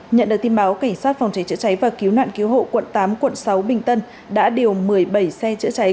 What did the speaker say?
nhận được tin báo cảnh sát phòng cháy chữa cháy và cứu nạn cứu hộ quận tám quận sáu bình tân đã điều một mươi bảy xe chữa cháy